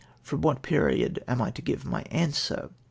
—" From what period am I to give my answer